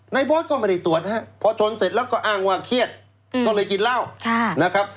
บอสก็ไม่ได้ตรวจนะครับพอชนเสร็จแล้วก็อ้างว่าเครียดก็เลยกินเหล้านะครับ